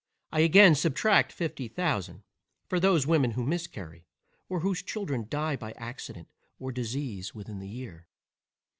I again subtract fifty thousand, for those women who miscarry, or whose children die by accident or disease within the year.